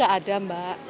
gak ada mbak